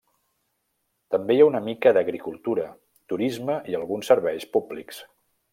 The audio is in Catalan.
També hi ha una mica d'agricultura, turisme i alguns serveis públics.